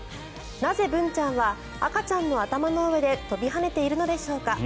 なぜ、ブンちゃんは赤ちゃんの頭の上で飛び跳ねているのでしょうか。